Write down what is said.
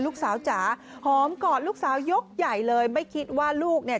ลูกสาวจ๋าหอมกอดลูกสาวยกใหญ่เลยไม่คิดว่าลูกเนี่ย